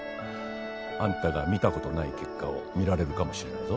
あんたが見たことない結果を見られるかもしれないぞ。